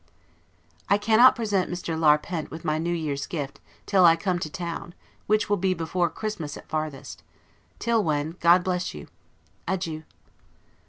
I cannot present Mr. Larpent with my New Year's gift, till I come to town, which will be before Christmas at farthest; till when, God bless you! Adieu.